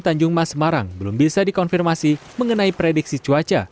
tanjung mas semarang belum bisa dikonfirmasi mengenai prediksi cuaca